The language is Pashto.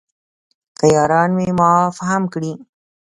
که یاران مې معاف هم کړي.